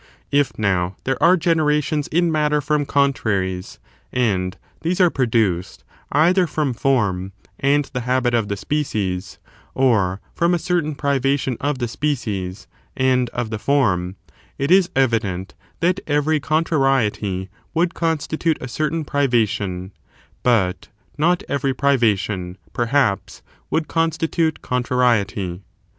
6. Contrariety I^ ^^^9 there are generations in matter fix)m it privatum, contraries, and these are produced either fi om form privation u and the habit of the species, or from a certain contrariety. privation of the species and of the form, it is evi dent that every contrariety would constitute a certain priva tion, but not every privation, perhaps, would constitute con trariety.